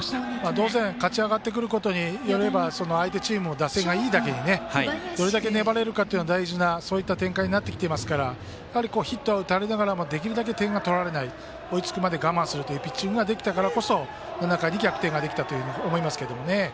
当然勝ち上がってくるのには両チーム打線がいいだけにどれだけ粘れるかという大事な展開になってきていますからヒットを打たれながらできるだけ点をとられない、追いつくまで我慢するというピッチングができたからこそ７回に逆転ができたと思いますけどね。